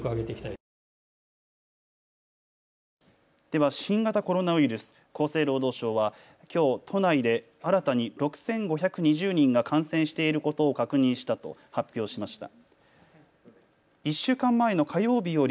では新型コロナウイルス、厚生労働省はきょう都内で新たに６５２０人が感染していることを確認したと発表しました。